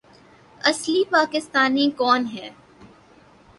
اصلی پاکستانی کون ہے